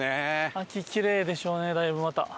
秋きれいでしょうねだいぶまた。